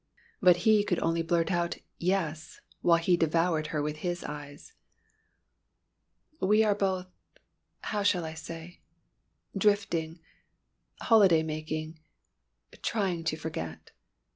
But he could only blurt out "Yes!" while he devoured her with his eyes. "We are both how shall I say drifting holiday making trying to forget.